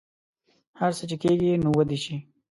هر څه چې کیږي نو ودې شي